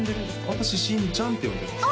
私新ちゃんって呼んでますあ